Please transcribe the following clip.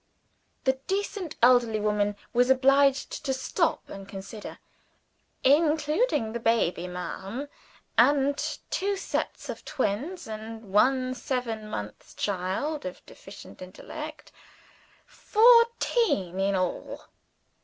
The decent elderly woman was obliged to stop, and consider. "Including the baby, ma'am, and two sets of twins, and one seven months' child of deficient intellect fourteen in all."